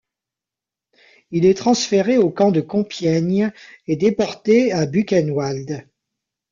Il est transféré au camp de Compiègne et déporté à Buchenwald.